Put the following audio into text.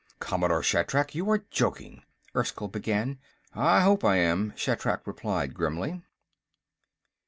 "Commodore Shatrak, you are joking," Erskyll began. "I hope I am," Shatrak replied grimly.